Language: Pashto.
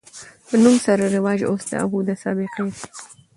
د نوم سره رواج اوس د ابو د سابقې دے